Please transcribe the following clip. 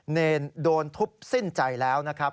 เนรโดนทุบสิ้นใจแล้วนะครับ